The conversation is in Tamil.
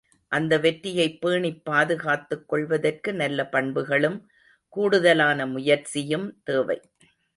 அந்த வெற்றியைப் பேணிப் பாதுகாத்துக் கொள்வதற்கு நல்ல பண்புகளும் கூடுதலான முயற்சியும் தேவை.